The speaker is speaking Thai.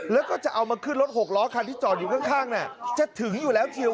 แล้วก็จะเอามาขึ้นรถหกล้อคันที่จอดอยู่ข้างจะถึงอยู่แล้วทิว